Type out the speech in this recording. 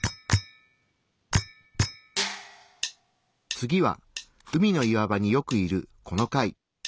次は海の岩場によくいるこの貝。